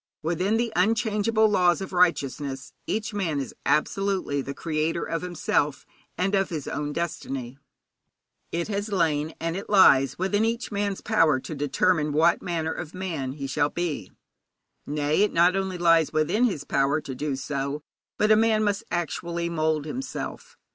Within the unchangeable laws of righteousness each man is absolutely the creator of himself and of his own destiny. It has lain, and it lies, within each man's power to determine what manner of man he shall be. Nay, it not only lies within his power to do so, but a man must actually mould himself.